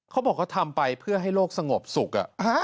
เขาบอกเขาทำไปเพื่อให้โลกสงบสุข